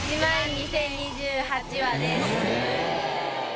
１万２０２８羽です。